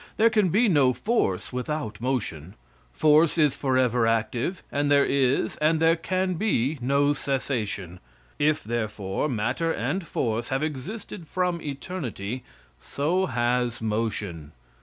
There can be no force without motion. Force is forever active, and there is, and there can be no cessation. If therefore, matter and force have existed from eternity, so has motion.